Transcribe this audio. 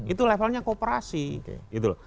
itu levelnya kooperasi gitu loh